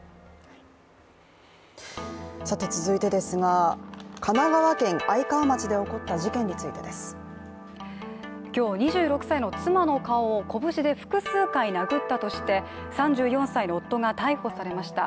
続いてですが、神奈川県愛川町で起こった事件についてです。今日、２６歳の妻の顔を拳で複数回殴ったとして３４歳の夫が逮捕されました。